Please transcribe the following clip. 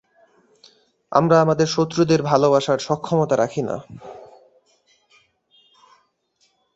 আমরা আমাদের শত্রুদের ভালবাসার সক্ষমতা রাখি না।